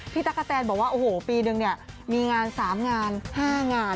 พี่ตั๊กตาแตนบอกว่าโอ้โหปีนึงมีงาน๓งาน๕งาน